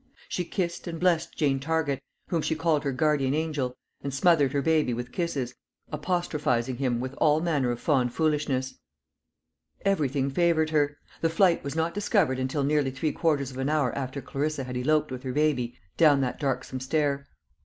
She kissed and blessed Jane Target, whom she called her guardian angel; and smothered her baby with kisses, apostrophising him with all manner of fond foolishness. Everything favoured her. The flight was not discovered until nearly three quarters of an hour after Clarissa had eloped with her baby down that darksome stair.